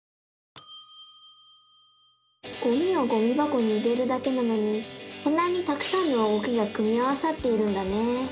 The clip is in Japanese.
ゴミをゴミばこに入れるだけなのにこんなにたくさんの動きが組み合わさっているんだね！